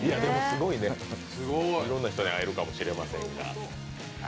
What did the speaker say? いろんな人に会えるかもしれませんが。